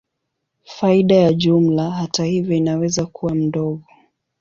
Faida ya jumla, hata hivyo, inaweza kuwa ndogo.